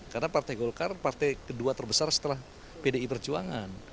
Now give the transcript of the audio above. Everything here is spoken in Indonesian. karena partai golkar partai kedua terbesar setelah pdi perjuangan